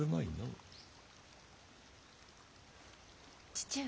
父上。